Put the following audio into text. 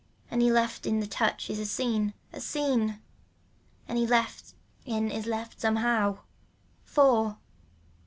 Any left in the touch is a scene, a scene. Any left in is left somehow. Four.